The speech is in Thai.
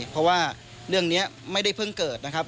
เพราะว่าเรื่องนี้ไม่ได้เพิ่งเกิดนะครับ